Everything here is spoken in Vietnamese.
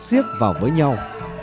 siếc vào với nhau